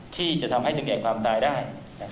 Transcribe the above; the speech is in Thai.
ที่จะทำให้ถึงแก่ความตายได้